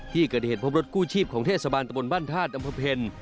ที่เกิดเหตุพบรถกู้ชีพของเทศบาลตะบนบ้านธาตุอำเภอเพล